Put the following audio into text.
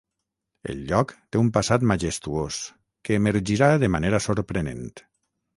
El lloc té un passat majestuós, que emergirà de manera sorprenent.